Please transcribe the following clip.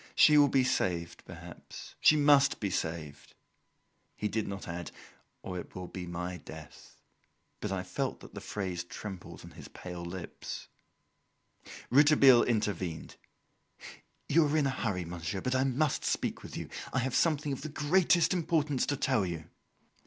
"She will be saved perhaps. She must be saved!" He did not add "or it will be my death"; but I felt that the phrase trembled on his pale lips. Rouletabille intervened: "You are in a hurry, Monsieur; but I must speak with you. I have something of the greatest importance to tell you."